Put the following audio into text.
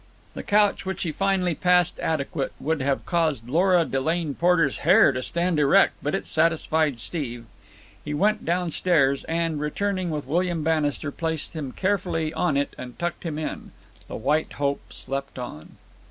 The couch which he finally passed adequate would have caused Lora Delane Porter's hair to stand erect, but it satisfied Steve. He went downstairs, and, returning with William Bannister, placed him carefully on it and tucked him in. The White Hope slept on.